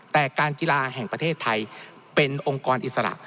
แต่การกีฬาแห่งประเทศไทยเป็นองค์กรอิสระ